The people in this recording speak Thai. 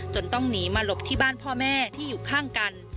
ต้องหนีมาหลบที่บ้านพ่อแม่ที่อยู่ข้างกัน